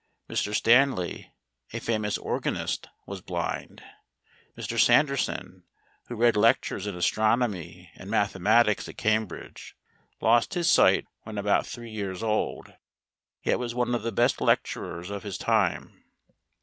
Mr. Stanley, a famous organist, was blind. Mr. Sanderson, who read lectures in astronomy and mathematics at Cambridge, lost his sight when about three years old, yet was one of the best lecturers of his time.